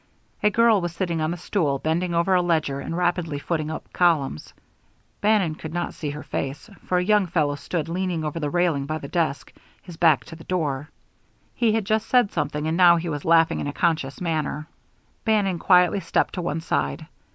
A girl was sitting on the stool, bending over a ledger and rapidly footing up columns. Bannon could not see her face, for a young fellow stood leaning over the railing by the desk, his back to the door. He had just said something, and now he was laughing in a conscious manner. Bannon quietly stepped to one side.